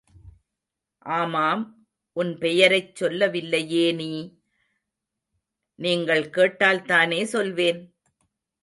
ஆமாம், உன் பெயரைச் சொல்லவில்லையே நீ? நீங்கள் கேட்டால்தானே சொல்வேன்?...